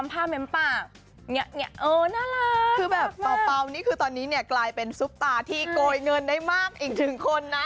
เปล่าตอนนี้กลายเป็นซุปตาที่โกยเงินได้มากอิงถึงคนนะ